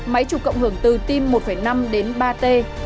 máy chụp cộng hưởng từ tim một năm đến ba t